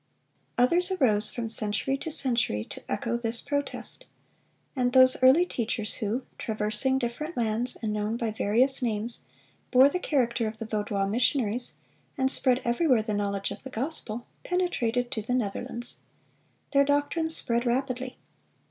(351) Others arose from century to century to echo this protest. And those early teachers, who, traversing different lands and known by various names, bore the character of the Vaudois missionaries, and spread everywhere the knowledge of the gospel, penetrated to the Netherlands. Their doctrines spread rapidly.